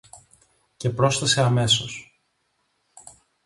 Και πρόσθεσε αμέσως: